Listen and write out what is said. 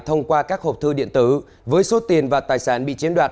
thông qua các hộp thư điện tử với số tiền và tài sản bị chiếm đoạt